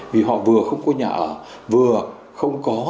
vì họ vừa không có nhà ở vừa không có nhà ở